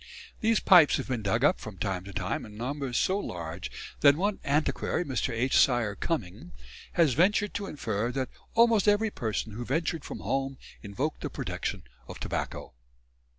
These pipes have been dug up from time to time in numbers so large that one antiquary, Mr. H. Syer Cuming, has ventured to infer that "almost every person who ventured from home invoked the protection of tobacco."